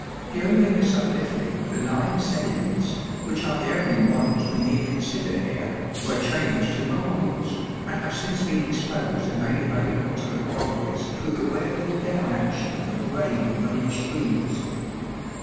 During this uplifting the lime sediments, which are the only ones we need consider here, were changed to marbles, and have since been exposed and made available to the quarriers through the wearing down action of rain and running streams.